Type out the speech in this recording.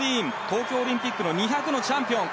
東京オリンピックの２００のチャンピオン